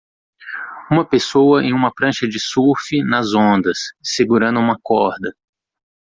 Uma pessoa em uma prancha de surf nas ondas? segurando uma corda.